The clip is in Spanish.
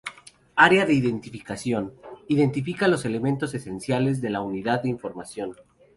Área de identificación: Identifica los elementos esenciales de la unidad de información.